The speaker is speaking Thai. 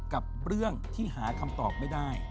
กับเรื่องที่หาคำตอบไม่ได้